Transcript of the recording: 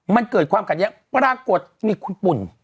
มันเกิดความขัดแย้งปรากฏมีคุณปุ่น